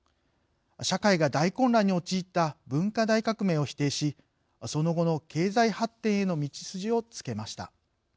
社会が大混乱に陥った文化大革命を否定しその後の経済発展への道筋をつけました。